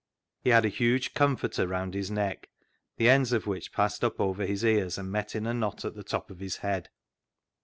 He had a huge " comforter " round his neck, the ends of which passed up over his ears and met in a knot at the top of his head.